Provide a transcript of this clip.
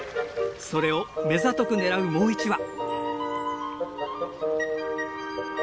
それを目ざとく狙うもう一羽。